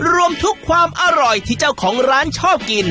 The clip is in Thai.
รวมทุกความอร่อยที่เจ้าของร้านชอบกิน